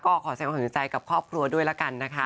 ก็ขอแสดงความเสียใจกับครอบครัวด้วยละกันนะคะ